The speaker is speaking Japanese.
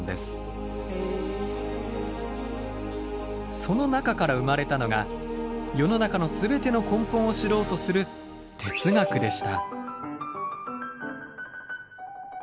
その中から生まれたのが世の中の全ての根本を知ろうとする「哲学」でした。